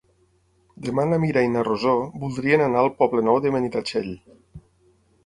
Demà na Mira i na Rosó voldrien anar al Poble Nou de Benitatxell.